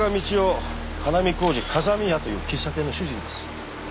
花見小路かざみ屋という喫茶店の主人です。